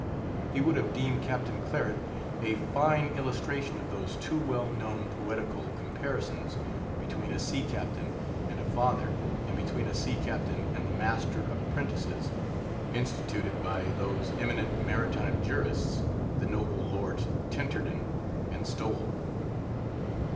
He would have deemed Captain Claret a fine illustration of those two well known poetical comparisons between a sea captain and a father, and between a sea captain and the master of apprentices, instituted by those eminent maritime jurists, the noble Lords Tenterden and Stowell.